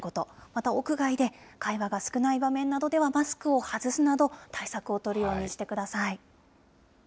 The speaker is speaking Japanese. また屋外で会話が少ない場面ではマスクを外すなど、対策を取るようにしてください。